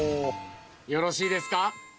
よろしいですか？